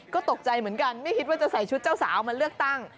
ก็ตกใจเหมือนกันไม่คิดว่าจะใส่ชุดเจ้าสาวมาเลือกตั้ง